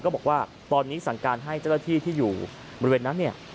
บอกว่าตอนนี้สั่งการให้เจ้าหน้าที่ที่อยู่บริเวณนั้นเนี่ย